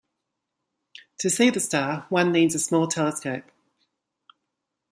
To see the star one needs a small telescope.